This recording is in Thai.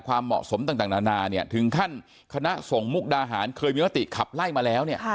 ความเหมาะสมต่างนานาถึงท่านคณะส่งมุกดาหารเคยมีมาติขับไล่มาแล้ว